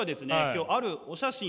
今日あるお写真